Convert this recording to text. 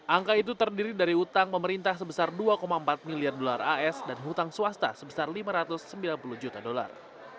angka itu terdiri dari utang pemerintah sebesar dua empat miliar dolar as dan hutang swasta sebesar lima ratus sembilan puluh juta dolar